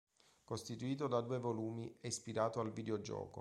Costituito da due volumi, è ispirato al videogioco.